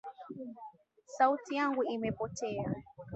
Sauti yangu imepotea